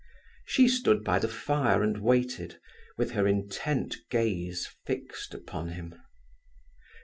She stood by the fire and waited, with her intent gaze fixed upon him.